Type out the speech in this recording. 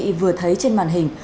và quý vị vừa thấy trên màn hình